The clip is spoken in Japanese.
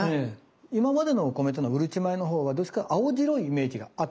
今までのお米っていうのはうるち米のほうはどっちか青白いイメージがあったりするんです。